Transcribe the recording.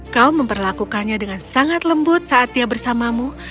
kau memperlakukannya dengan sangat lembut saat dia bersamamu